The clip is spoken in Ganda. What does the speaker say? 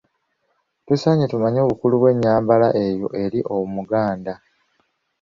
Tusaanye tumanye obukulu bw'enyambala eyo eri Omuganda.